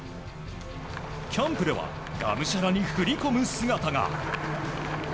キャンプではがむしゃらに振り込む姿が。